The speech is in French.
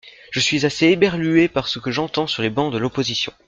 Je suis assez éberluée par ce que j’entends sur les bancs de l’opposition.